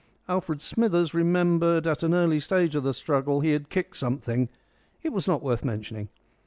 Alfred Smithers remembered at an early stage of the struggle he had kicked something; it was not worth mentioning.